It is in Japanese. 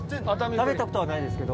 食べた事はないですけど。